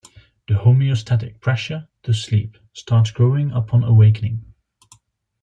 The homeostatic pressure to sleep starts growing upon awakening.